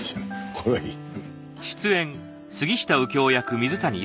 これはいい。